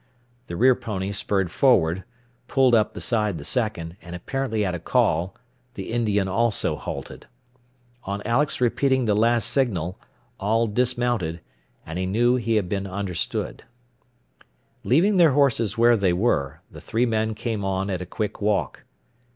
The rear pony spurred forward, pulled up beside the second, and apparently at a call, the Indian also halted. On Alex repeating the last signal, all dismounted, and he knew he had been understood. Leaving their horses where they were, the three men came on at a quick walk.